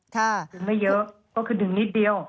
คือไม่เยอะก็คือดึงนิดเดียว